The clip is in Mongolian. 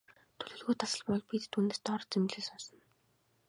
Төлөвлөгөө тасалбал бид түүнээс дор зэмлэл сонсоно.